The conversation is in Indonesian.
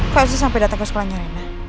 kok elsa sampe dateng ke sekolahnya rena